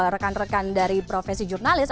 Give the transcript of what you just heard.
rekan rekan dari profesi jurnalis